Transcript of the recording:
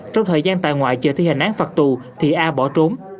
trong thời gian tại ngoại chờ thi hành án phạt tù thì a bỏ trốn